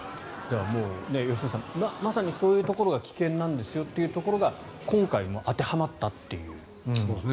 良純さん、まさにそういうところが危険なんですよというところが今回も当てはまったということです。